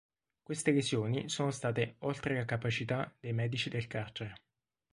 Queste lesioni sono state "oltre la capacità" dei medici del carcere.